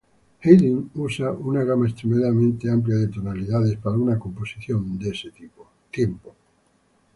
Haydn usa una gama extremadamente amplia de tonalidades para una composición de ese tiempo.